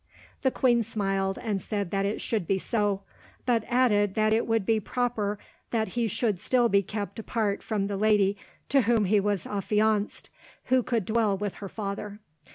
The queen smiled, and said that it should be so, but added that it would be proper that he should still be kept apart from the lady to whom he was affianced, who could dwell with her father.